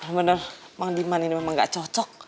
bener bener emang diman ini gak cocok